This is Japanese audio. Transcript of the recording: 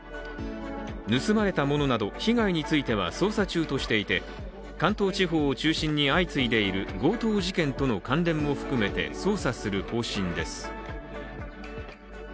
盗まれたものなど、被害については捜査中としていて関東地方を中心に相次いでいる強盗事件との関連も含めて捜査する方針です。